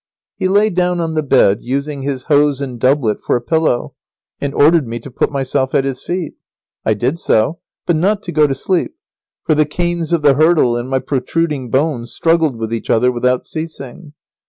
He lay down on the bed, using his hose and doublet for a pillow, and ordered me to put myself at his feet. I did so, but not to go to sleep, for the canes of the hurdle and my protruding bones struggled with each other without ceasing.